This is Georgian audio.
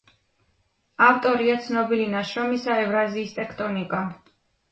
ავტორია ცნობილი ნაშრომისა „ევრაზიის ტექტონიკა“.